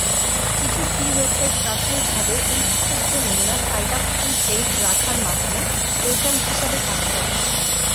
কিছু free website প্রাথমিকভাবে এই ছোট ছোট নমুনা সাইট আপ টু ডেট রাখার মাধ্যমে পোর্টাল হিসাবে কাজ করে।